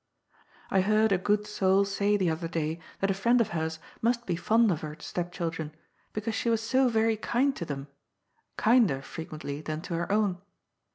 I heard a good soul say the other day that a friend of hers must be fond of her stepchildren, because she was so very kind to them — kinder frequently than to her own.